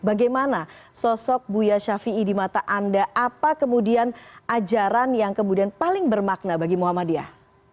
bagaimana sosok buya ⁇ shafii ⁇ di mata anda apa kemudian ajaran yang kemudian paling bermakna bagi muhammadiyah